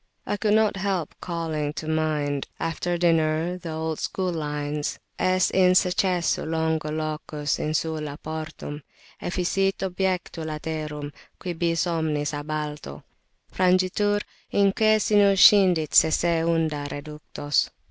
I could not help calling to mind, after dinner, the old school lines "Est in secessu longo locus; insula portum Efficit objectu laterum; quibus omnis ab alto Frangitur, inque sinus scindit sese unda reductos."